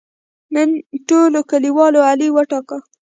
نن ټولو کلیوالو علي وټاکه.